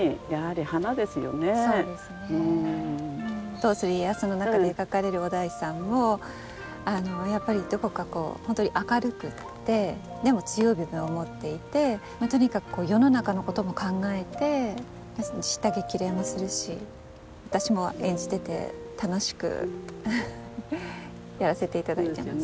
「どうする家康」の中で描かれる於大さんもやっぱりどこか本当に明るくってでも強い部分を持っていてとにかく世の中のことも考えて叱咤激励もするし私も演じてて楽しくやらせていただいてます。